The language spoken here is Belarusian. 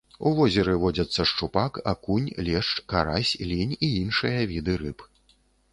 У возеры водзяцца шчупак, акунь, лешч, карась, лінь і іншыя віды рыб.